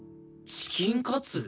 チキンカツ！？